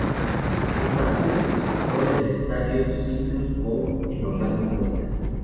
El partido se disputó en el Estadio Citrus Bowl en Orlando, Florida.